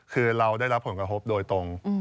คือเราได้รับผลกระทบโดยตรง